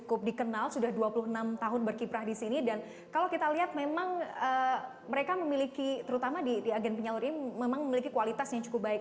cukup dikenal sudah dua puluh enam tahun berkiprah di sini dan kalau kita lihat memang mereka memiliki terutama di agen penyalur ini memang memiliki kualitas yang cukup baik